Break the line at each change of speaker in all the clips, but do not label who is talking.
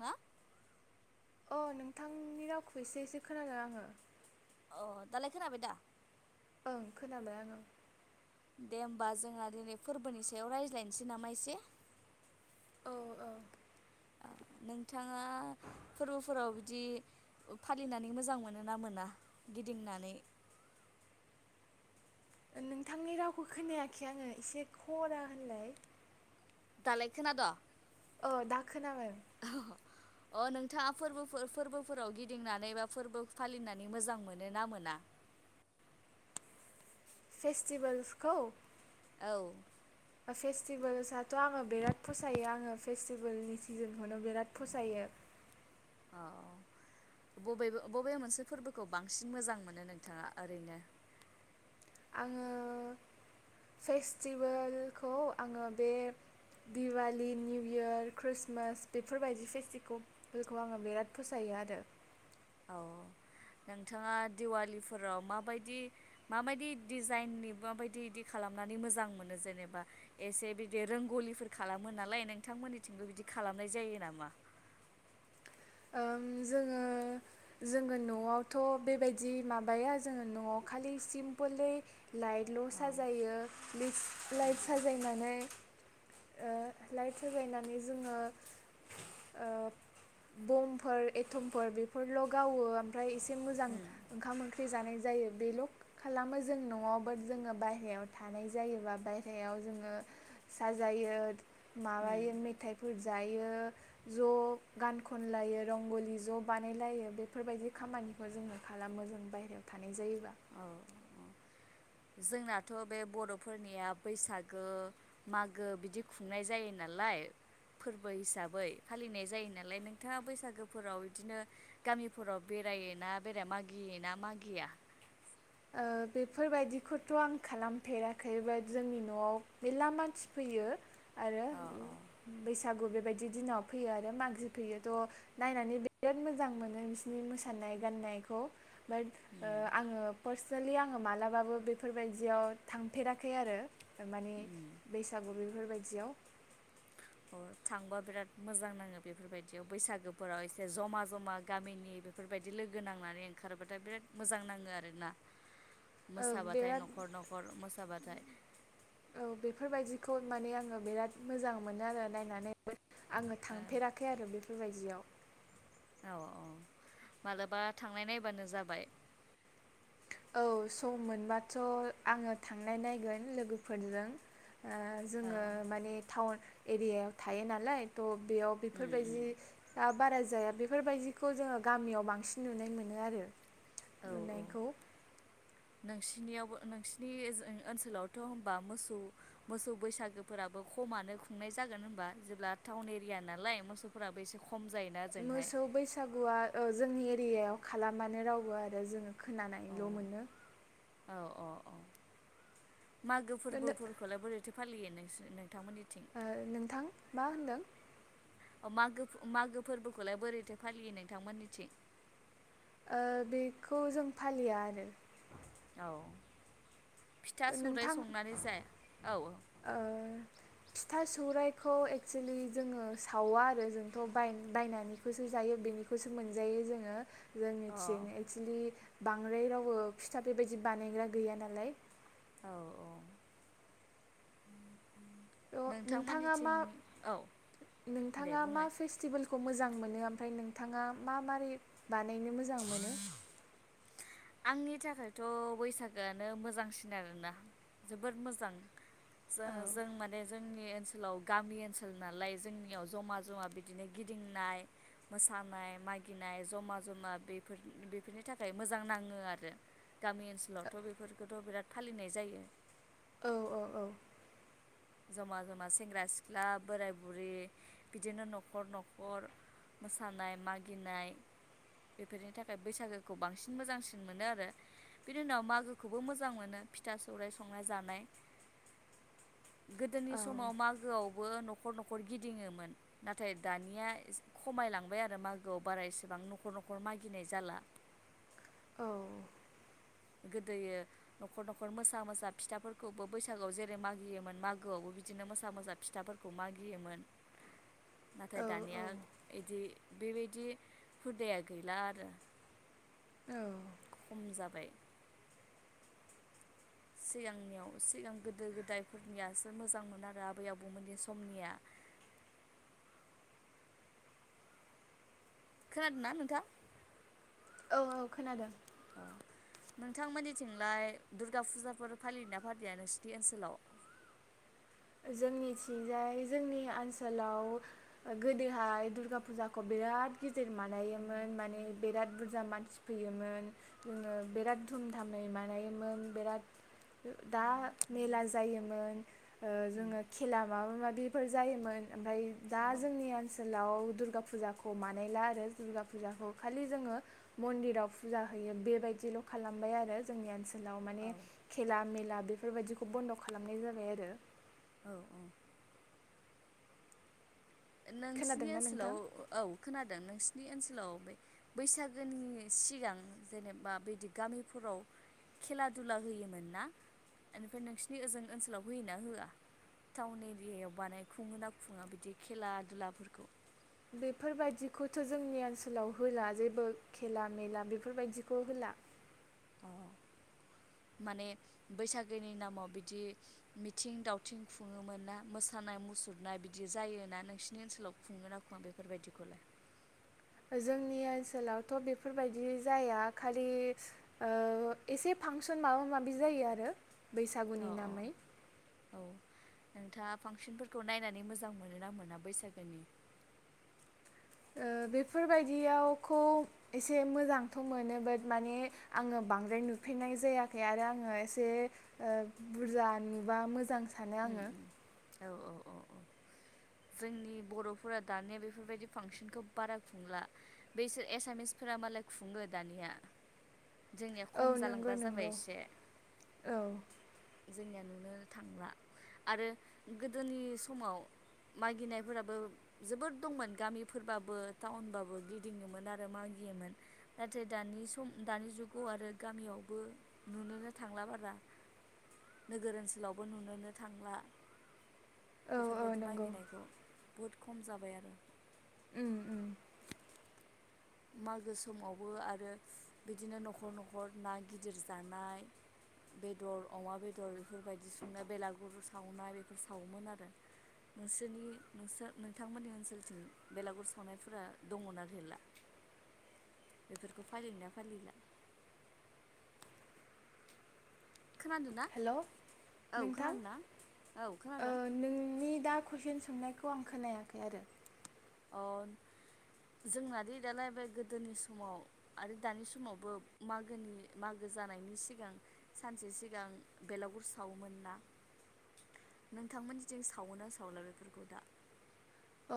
मा?
अ नोंथांनि रावखौ एसे एसे खोनादों आङो
अ दालाय खोनाबाय दा?
ओं खोनाबाय आङो
दे होमबा जोंहा दिनै फोरबोनि सायाव रायज्लायनोसै नामा एसे
औ औ
नोंथाङा फोरबोफोराव बिदि फालिनानै मोजां मोनो ना मोना गिदिंनानै?
नोंथांनि रावखौ खोनायाखै आङो एसे खरा होनलाय
दालाय खोना द'
औ दा खोनाबाय
अ नोंथाङा फोरबो फोरबोफोराव गिदिंनानै बा फोरबो फालिनानै मोजां मोनो ना मोना?
फेस्टिभलसखौ
औ
फेस्टिभेल्सथ' आथ आङो बिराद फसायो आङो फेस्टिभेलनि सिजोनखौनो बिराद फसायो
औ बबे बबे मोनसे फोरबोखौ बांसिन मोजां मोनो नोंथाङा ओरैनो
आङो फेस्टिभेलखौ आङो बे दिवालि निउ इयार ख्रिस्टमास बेफोरबायदि फेस्टिभेलखौ आङो बिराद फसायो आरो
औ नोंथाङा दिवालिफोराव माबायदि माबायदि डिजाइननि माबायदि इदि खालामनानै मोजां मोनो जेनेबा एसे बिदि रांगलिफोर खालामो नालाय नोंथांमोननिथिंबो बिदि खालामनाय जायो नामा?
जोङो जोङो न'आवथ' बेबायदि माबाया जोङो न'आव खालि सिम्पोलै लाइटल'
औ
साजायो बे लाइट
उम
साजायनानै लाइट होलायनानै जोङो ओ बमफोर एथमफोर बेफोरल' गावो ओमफ्राय एसे एसे मोजां ओंखाम ओं ख्रिजानाय जायो बेल' खालामो जों न'आव बाट जोङो बायहेरायाव थानाय जायोबा बायहायाव जोङो साजायो माबायो
उम
मेथाइ फोरजायो ज' गान खनलायो रंगलि ज' बानायलायो बेफोरबायदि खामानिखौ जोङो खालामो जों बाहेरायाव थानाय जायोबा
औ जोंनाथ' बे बर'फोरनिया बैसागो मागो बिदि खुंनाय जायो नालाय फोरबो हिसाबै फालिनाय जायो नालाय नोंथाङा बैसागोफोराव इदिनो गामिफोराव बेरायोना बेराया मागियोना मागिया
ओ बेफोरबायदिखौथ' आं खालामफेराखै बाट जोंनि न'आव मेरला मानसि फैयो आरो
अ अ
बैस सागु बेबायदि दिनाव फैयो आरो मागि फैयो थ' नायनानै बिराद मोजां मोनो बिसिनि मोसानाय गान्नायखौ बाट ओ आङो पार्सनेलि आङो मालाबाबो बेफोरबायदियाव थांफेराखै आरो मानि
उम
बैसागु बे फोरबायदियाव
अ थांबा बिराद मोजां नाङो बेफोरबायदियाव बैसागोफोराव एसे जमा जमा गामिनि बेफोरबायदि लोगो नांनानै ओंखारबाथाय बिराद मोजां नाङो आरोना
ओ
मोसाबाथाय
बिराद
न'खर न'खर मोसाबाथाय
औ बेफोरबायदिखौ माने आङो बिराद मोजां मोनो आरो नायनानै आङो थांफेराखै आरो बे बेबायजियाव
औ औ मालाबा थांनाय नायबानो जाबाय
औ सम मोनबाथ' आङो थांनाय नायगोन लोगोफोरजों ओ
ओ
जोङो माने टाउन एरियायाव थायो नालाय त' बेयाव
उम उम
बेफोरबायजि आ बारा जाया बेफोरबायजिखौ जोङो गामियाव बांसिन नुनाय मोनो आरो
औ औ
नुनायखौ
नोंसिनियावबो नोंसिरनि ओजों ओनसोलावथ' होमबा मोसौ मोसौ बैसागोफोराबो खमानो खुंनाय जागोन होनबा जेब्ला टाउन एरिया नालाय मोसौफोराबो एसे खम जायोना ओजोंहाय
मोसौ बैसागुआ ओ जोंनि [unintelligible] खालामानो रावबो आरो जोङो
औ
खोनानायल' मोनो
औ औ औ मागो
दा नो
फोरबोफोरखौलाय बोरैथो फालियो नोंसोर नोंथांमोननिथिं
ओ नोंथां मा होनदों?
अ मागोफ मागो फोरबोखौलाय बोरैथो फालियो नोंथांमोननिथिं
ओ बेखौ जों फालिया आरो
औ फिथा सौराइ
नोंथां
संनानै जाया औ औ
ओ फिथा सौरायाइखौ एक्सुेलि जोङो सावा आरो जोंथ'बाय बायनानैखौसो जायो बेनिखौसो मोनजायो जोङो
अ
जोंनिथिं एक्सुलि बांद्राय रावबो फिथा बेबायदि बानायग्रा गैया नालाय
औ औ
अ नोंथांङा
नोंथांमोननिथिं
मा
औ दे
नोंथाङा मा
बुंनाय
फेस्टिभेल खौ मोजां मोनो ओमफ्राय नोंथाङा मा मारै बानायनो मोजां मोनो?
आंनि थाखायथ' बैसागोआनो मोजांसिन आरोना जोबोर मोजां
औ
जोंङो जों माने जों जोंनि ओनसोलाव गामि ओनसोल नालाय जोंनियाव जमा जमा बिदिनो गिदिंनाय मोसानाय मागिनाय जमा जमा बेफोर बेफोरनि थाखाय मोजां नाङो। ङो आरो गामि ओनसोलावथ' बेफोरखौथ' बिराद फालिनाय जायो।
औ औ औ
जमा जमा सेंग्रा सिख्ला बोराय बुरि बिदिनो न'खर न'खर मोसानाय मागिनाय बेफोरनि थाखाय बैसागोखौ बांसिन मोजांसिन मोनो आरो बिनि उनाव मागोखौबो मोजां मोनो फिथा सौर संनाय जानाय गोदोनि
औ
समाव मागोआवबो नख न'खर न'खर गिदिङोमोन नाथाय दानिया खमायलांबाय आरो मागोआव बारा एसेबां न'खर न'खर मागिनाय जाला
औ
गोदोयो न'खर न'खर मोसा मोसा फिथाफोरखौबो बैसागोआव जेरै मागियोमोन मागोआवबो बिदिनो मोसा मोसा फिथाफोरखौ मागियोमोन। नाथाय
औ
दानिया एदि बेबायदि हुदाया गैला आरो
औ
खम जाबाय सिगांनियाव सिगां गोदो गोदायफोरनियासो मोजांमोन आरो आबै आबौमोननि समनिया खोनादोंना नोंथाङा?
औ औ खोनादों।
नोंथांमोननिथिंलाय दुर्गा फुजाफोर फालियो ना फालिया नोंसिनि ओनसोलाव?
जोंनिथिंजाय जोंनि ओनसोलाव गोदोहाय दुर्गा फुजाखौ बिराद गिदिर बानायोमोन माने बिराद बुरजा मानसि फैयोमोन जोङो बिराद धुमधामै बानायोमोन बिराद दा मेला जायोमोन। ओ जोङो खेला माबा माबि बेफोर जायोमोन ओमफ्राय दा
औ
जोंनि ओनसोलाव दुर्गा फुजाखौ बानायला आरो दुर्गा फुजाखौ खालि जोङो मन्दिराव फुजा होयो बेबायदिल' खालामबाय आरो जोंनि ओनसो लाव माने
औ
खेला मेला बेफोरबायाददिखौ बन्द' खालामनाय जाबाय आरो
औ औ नोंसिनि
खोनादोंना नोंथां
ओनसोलाव औ खोना नोंसिनि ओनसोलाव बे बैसागोनि सिगां जेनेबा बिदि गामिफोराव खेला दुला होयोमोन ना एनिफ्राय नोंसोरनि ओजों ओनसोलाव होयोना होआ टाउन एरियायाव बानाय खुङो ना खुङा बिदि खेला दुलाफोरखौ
बेफोरबायदिखौथ' जोंनि ओनसोलाव होला जेबो खेला मेला बेफोरबायदिखौ होला।
अ माने बैसागोनि नामाव बिदि मिथिं दावथिं खुङोमोन ना मोसानाय मुसुरनाय बिदि जायोना नोंसिनि ओनसोलाव खुङो ना खुङा बेफोरबायदिखौलाय?
जोंनि ओनसोलावथ' बेफोरबायदि जाया खालि ओ एसे फांसन माबा माबि जायो आरो
औ
बैसागुनि नामै
औ नोंथाङा फांसनफोरखौ नायनानै मोजां मोनो ना मोना बैसागोनि?
ओ बेफोरबायदियावखौ एसे मोजांथ' मोनो बाट माने आङो बांद्राय नुफेरनाय जायाखै आरो आङो एसे ओ बुरजा नुबा मोजां सानो
उम
आङो
उम औ औ औ औ जोंनि बर'फोरा दानिया बेफोरबायदि फांसनखौ बारा खुंला बैसोर एसामिसफोरा मालाय खुङो दानिया। जोंनिया खम
औ नंगौ
जालांग्रा
नंगौ
जाबाय एसे
औ
जोंनिया नुनो थांला आरो गोदोनि समाव मागिनायफोराबो जोबोोर दंमोन गामिफोरबाबो टाउनबाबो गिदिङोमोन आरो मागियोमोन नाथाय दानि सम दानि जुगाव आरो गामियावबो नुनोनो थांला बारा नोगोर ओनसोलावबो नुनोनो थांला
औ औ
बेफोरबायदि
नंगौ
मागिनायखौ बहुत खम जाबाय आरो।
उम उम
मागो समावबो आरो बिदिनो न'खर न'खर ना गिदिर जानाय बेदर अमा बेदर बेफोरबायदि संनाय बेलागुर सावनाय बेफोर सावोमोन आरो नोंसोरनि नोंसोर नोंथांमोननि ओनसोलथिं बेलागुर सावनायफोरा दंना गैला बेफोरखौ फालियोना फालिला खोनादों ना
हेल
औ
नोंथां
खोनादों ना औ
ओ
खोनादों
नोंनि दा- कुइसन सोंनायखौ आं खोनायाखै आरो
अ जोंनाद दालाय बे गोदोनि समाव आरो दानि समावबो मागोनि मागो जानायनि सिगां सानसे सिगां बेलागुर सावोमोन ना नोंथांमोननिथिं सावो ना सावला बेफोरखौ दा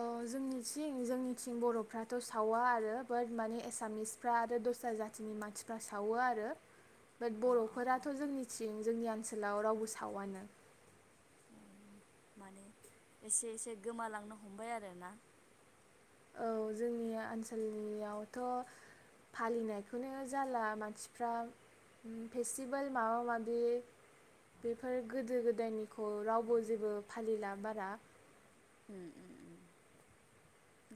अ जोंनिथिं जोंनिथिं बरफ्राथ सावा आरो बाट माने एसामिसफ्रा आरो दस्रा जातिनि मानसिफ्रा सावो आरो बाट
अ अ
बर'फोराथ' जोंनि [inaudible] जोंनि ओनसोलाव रावबो सावानो
माने एसे एसे गोमालांनो हमबाय आरोना।
औ जोंनि ओनसोलनियावथ फालिनायखौनो जाला मानसिफ्रा फेस्टिभेल माबा माबि बेफोर गोदो गोदायनिखौ रावबो जेबो फालिला बारा।
उम उम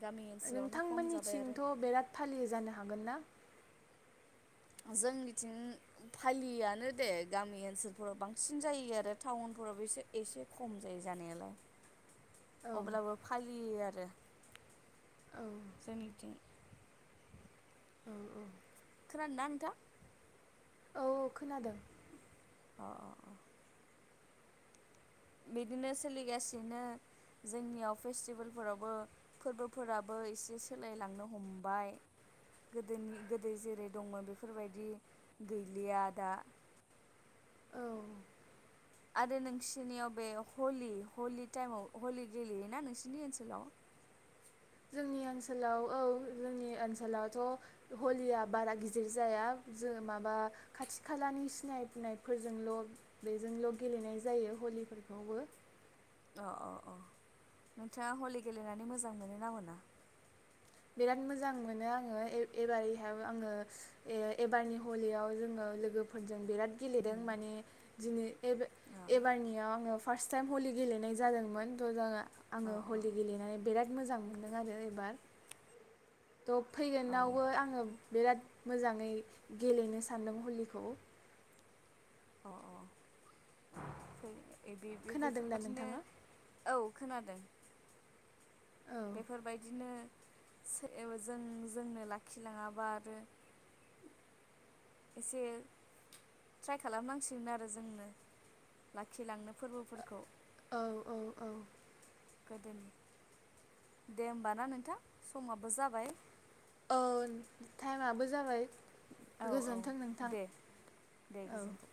गामि ओनसोलावनो खम
नोंथांमोननि
जाबाय आरो
थिंथ' बिराद फालियो जानो हागोन ना?
जोंनिथिं फालियानो दे गामि ओनसोलफोराव बांसिन जायो आरो टाउनफोरावबो एसे एसे खम जायो जानायालाय।
औ
अब्लाबो फालियो आरो रोे
औ
[inaudible] जोंनिथिं
औ औ
खोनादोंना नोंथां?
औ औ खोनादों
अ अ अ बिदिनो सोलिगासिनो जोंनियाव फेस्टिभेलफोरावबो फोरबोफोराबो एसे सोलायलांनो हमबाय गोदोनि गोदो जेरै दंमोन बेफोरबायदि गैलिया दा।
औ
आरो नोंसिनियाव बे हलि हलि टाइमाव हलि गेलेयोना नोंसिरनि ओनसोलाव?
जोंनि ओनसोलाव औ जोंनि ओनसोलावथ हलिया बारा गिदिर जाया जों माबा खाथि खालानि सिनायनायफोरजोंल बेजोंल गेलेनाय जायो हलिफोरखौबो
अ-अ-अ नोंथाङा हलि गेलेनानै मोजां मोनो ना मोना?
बिराद मोजां मोनो आङो एबारैहाय आङो एबारनि हलियाव जोङो लोगोफोरजों बिराद गेलेदों
उम
माने दिनै एब
औ
एबारनियाव आङो फार्स्ट टाइम हलि गेलेनाय जादोंमोन थ' जोंहा
अ
आङो
अ
हलि गेलेनानै बेराद- मोजां मोन्दों आरो एबार थ'
औ
फैगोनावबो आङो बिराद मोजाङै गेलेनो सानदों हलिखौ
अ अ
खोनादों दा
बेफोरबादिनो
नोंथाङा
औ खोनादों
औ
बेफोरबायदिनो सै जों जोंनो लाखिलाङाबा आरो एसे ट्राइ खालामनांसिगोन आरो जोंनो लाखिलांनो फोरबोफोरखौ
औ-औ-औ
गोदोनि। दे होमबाना नोंथां समाबो जाबाय।
औ टाइमाबो जाबाय।
औ औ
गोजोनथों नोंथां
दे दे
औ
गोजोन्थों।